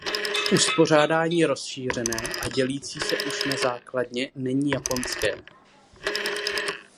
Uspořádání rozšířené a dělící se už na základně není japonské.